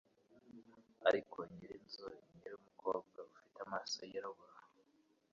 Ariko nyirinzu nyir'umukobwa ufite amaso yirabura,